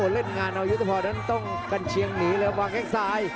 เล่นงานเอายุทธพรนั้นต้องกันเชียงหนีเลยวางแข้งซ้าย